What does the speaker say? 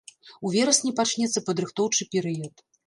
У верасні пачнецца падрыхтоўчы перыяд.